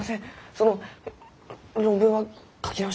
その論文は書き直します。